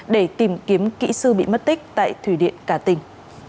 để tìm kiếm kỹ sư bị mất tích tại thủy điện cà tình